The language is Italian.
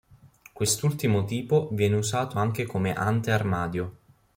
Quest'ultimo tipo viene usato anche come ante armadio.